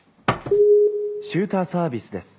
「シューターサービスです。